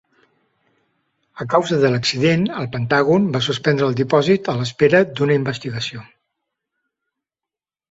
A causa de l'accident, el Pentàgon va suspendre el dipòsit a l'espera d'una investigació.